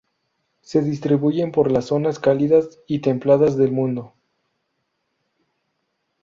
Se distribuyen por todas las zonas cálidas y templadas del mundo.